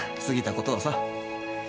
過ぎたことはさ。